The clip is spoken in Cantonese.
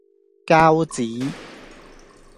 膠紙